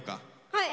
はい。